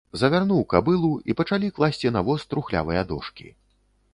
Завярнуў кабылу і пачалі класці на воз трухлявыя дошкі.